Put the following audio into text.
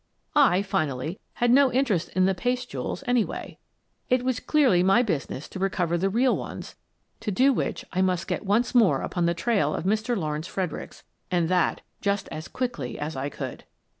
I, finally, had no interest in the paste jewels, anyway. It was clearly my business to recover the real ones, to do which I must get once more upon the trail of Mr. Lawrence Fredericks and that just as quickly as I could.